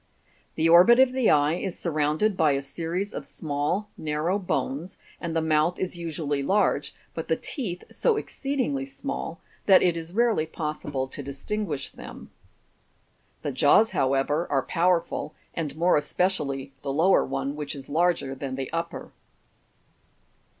The orbit of the eye is surrounded by a series of small narrow bones, and the mouth is usually large, but the teeth so exceedingly small that it is rarely possible to distinguish them. The jaws, however, are powerful, and more especially the lower one, which is larger than the upper.